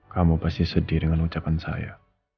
kamu pasti sedih dengan ucapan saya